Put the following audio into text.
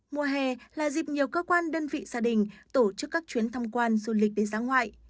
mùa hè là dịp nhiều cơ quan đơn vị gia đình tổ chức các chuyến thăm quan du lịch đến giá ngoại